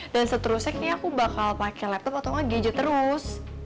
dan seterusnya kayaknya aku bakal pake laptop atau enggak gadget terus